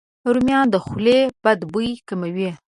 رومیان د خولې بد بوی کموي.